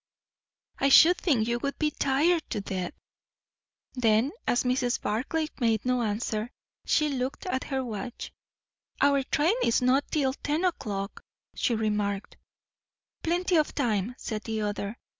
"I should think you would be tired to death!" Then, as Mrs. Barclay made no answer, she looked at her watch. "Our train is not till ten o'clock," she remarked. "Plenty of time," said the other.